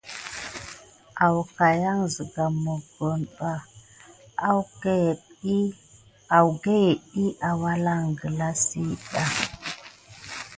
Əgaya siga mokoni bà akudekene dik awulan gala kisia ɗe.